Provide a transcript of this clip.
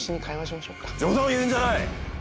冗談を言うんじゃない！